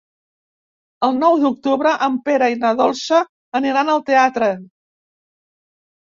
El nou d'octubre en Pere i na Dolça aniran al teatre.